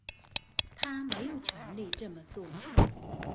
他没有权力这么做